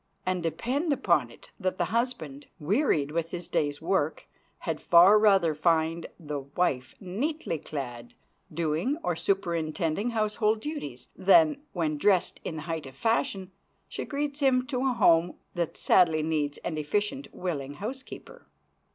And depend upon it that the husband, wearied with his day's work, had far rather find the wife neatly clad, doing or superintending household duties, than, when dressed in the height of fashion, she greets him to a home that sadly needs an efficient, willing housekeeper.